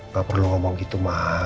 gak perlu ngomong gitu mah